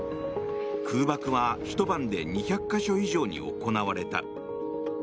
空爆はひと晩で２００か所以上に行われた。